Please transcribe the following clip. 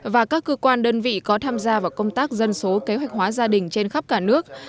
và các cơ quan đơn vị có tham gia vào công tác dân số kế hoạch hóa gia đình trên khắp cả nước